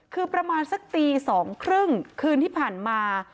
คือประมาณสักตี๒๓๐คืนที่ผ่านมา